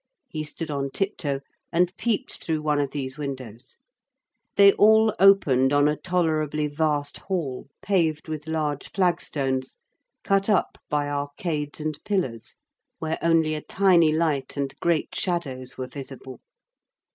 He stood on tiptoe and peeped through one of these windows. They all opened on a tolerably vast hall, paved with large flagstones, cut up by arcades and pillars, where only a tiny light and great shadows were visible.